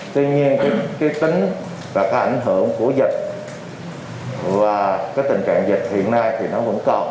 tuy nhiên cái tính và cái ảnh hưởng của dịch và cái tình trạng dịch hiện nay thì nó vẫn còn